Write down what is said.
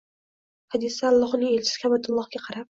Hadisda Allohning elchisi Ka’batullohga qarab: